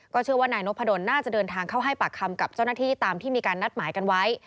เชื่อว่านายนพดลน่าจะเดินทางเข้าให้ปากคำกับเจ้าหน้าที่ตามที่มีการนัดหมายกันไว้